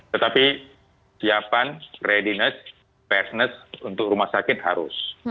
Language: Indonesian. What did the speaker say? tetapi siapan readiness fairness untuk rumah sakit harus